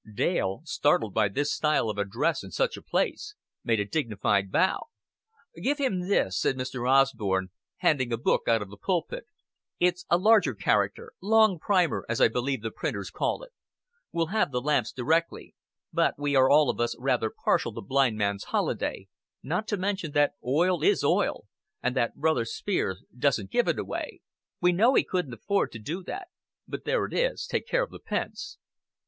Dale, startled by this style of address in such a place, made a dignified bow. "Give him this," said Mr. Osborn, handing a book out of the pulpit. "It's a larger character 'long primer,' as I believe the printers call it. We'll have the lamps directly; but we are all of us rather partial to blind man's holiday not to mention that oil is oil, and that Brother Spiers doesn't give it away. We know he couldn't afford to do that. But there it is Take care of the pence."